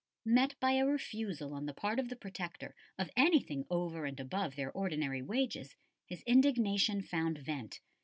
Met by a refusal on the part of the Protector of anything over and above their ordinary wages, his indignation found vent.